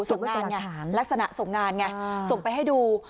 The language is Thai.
ส่งงานไงลักษณะส่งงานไงส่งไปให้ดู